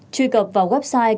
truy cập vào website